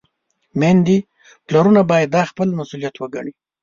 میندې، پلرونه باید دا خپل مسؤلیت وګڼي.